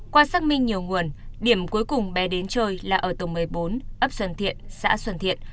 qua xác minh nhiều nguồn điểm cuối cùng bé đến chơi là ở tổng một mươi bốn ấp xuân thiện xã xuân thiện